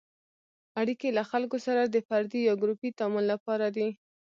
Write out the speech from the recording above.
اړیکې له خلکو سره د فردي یا ګروپي تعامل لپاره دي.